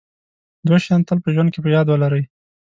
دوه شیان تل په ژوند کې په یاد ولرئ.